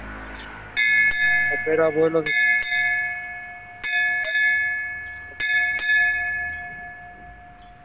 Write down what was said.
Opera vuelos regulares, principalmente transportando a viajeros ejecutivos.